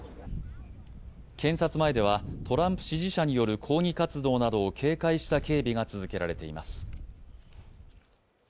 検察前ではトランプ支持者による抗議活動などを警戒した警備が続けられています。